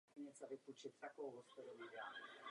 Rostou zde mechy a lišejníky a tuhá nízká tráva.